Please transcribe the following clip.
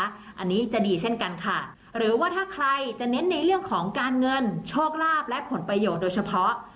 อันนี้จะดีเช่นกันค่ะหรือว่าถ้าใครจะเน้นในเรื่องของการเงินโชคลาภและผลประโยชน์โดยเฉพาะ